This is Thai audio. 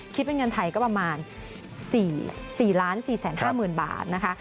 คิดเป็นเงินไทยก็ประมาณ๔๔๕๐๐๐บาทนะคะ